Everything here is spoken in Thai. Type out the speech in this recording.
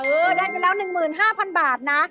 ได้ไปแล้ว๑๕๐๐๐บาทนะ